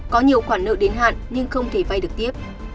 có nhiều khoản nợ đến hạn nhưng không thể vay được tiếp